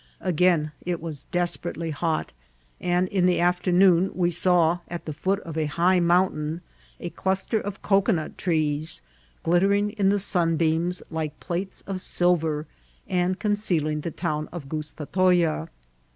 Again it was desperately hot, and in ^e after noon we saw at the foot of a high mountain a dust^ of cocoanut trees, glittering in the sunbeams like platev of silv^, and concealing the town of Gustatoya.